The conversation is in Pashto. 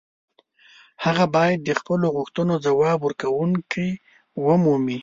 هغه باید د خپلو غوښتنو ځواب ورکوونکې ومومي.